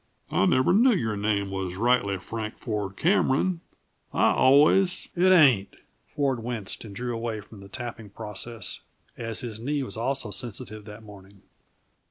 "I never knew your name was rightly Frank Ford Cameron. I always " "It ain't." Ford winced and drew away from the tapping process, as if his knee also was sensitive that morning.